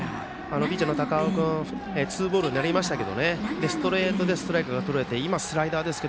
ピッチャーの高尾君ツーボールになりましたけどストレートでストライクがとれて今、スライダーでしたが